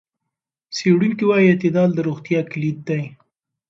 څېړونکي وايي اعتدال د روغتیا کلید دی.